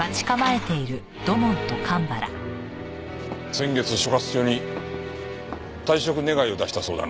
先月所轄署に退職願を出したそうだな。